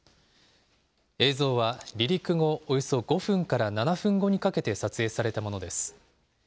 映像は離陸後およそ５分から７分後にかけて撮影されたものです。